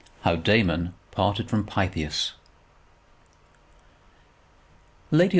HOW DAMON PARTED FROM PYTHIAS.